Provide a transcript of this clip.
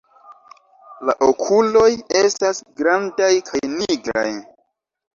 La okuloj estas grandaj kaj nigraj.